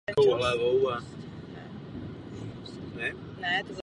Do mužské části v horním patře se vstupovalo po vnějším dřevěném schodišti.